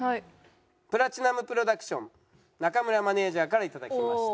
プラチナムプロダクション中村マネージャーから頂きました。